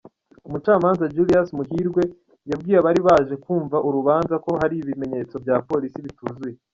Umucamanza Julius Muhiirwe yabwiye abari baje kumva urubanza ko hari ibimenyetso bya Police bituzuye.